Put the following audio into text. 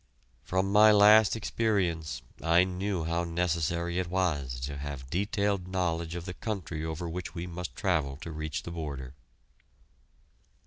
From my last experience I knew how necessary it was to have detailed knowledge of the country over which we must travel to reach the border.